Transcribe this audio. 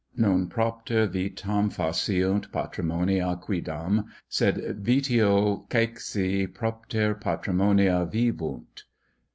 Non propter vitam faciunt patrimonia quidam, Sed vitio caeci propter patrimonia vivunt.